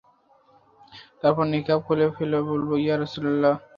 তারপর নেকাব খুলে ফেলে বলল, ইয়া রাসূলাল্লাহ!